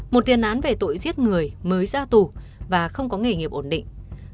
một tiền án về tội giết người mới ra tù và không có nghề nghiệp ổn định